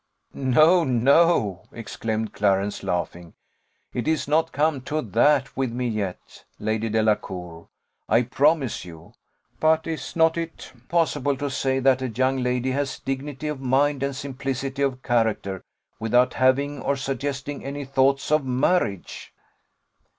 "No, no," exclaimed Clarence, laughing, "it is not come to that with me yet, Lady Delacour, I promise you; but is not it possible to say that a young lady has dignity of mind and simplicity of character without having or suggesting any thoughts of marriage?"